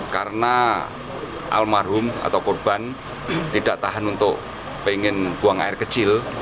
karena almarhum atau korban tidak tahan untuk pengen buang air kecil